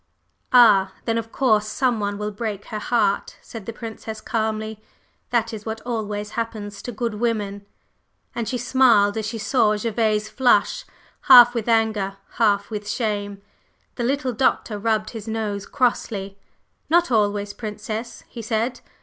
"Ah then, of course some one will break her heart!" said the Princess calmly. "That is what always happens to good women." And she smiled as she saw Gervase flush, half with anger, half with shame. The little Doctor rubbed his nose crossly. "Not always, Princess," he said.